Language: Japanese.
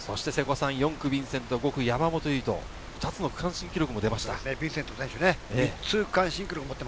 そして瀬古さん、４区・ヴィンセント、５区・山本唯翔、２つの区間新記録も出ました。